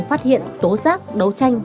phát hiện tố giác đấu tranh